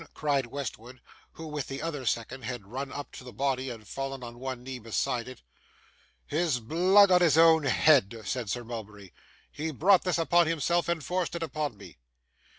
cried Westwood, who, with the other second, had run up to the body, and fallen on one knee beside it. 'His blood on his own head,' said Sir Mulberry. 'He brought this upon himself, and forced it upon me.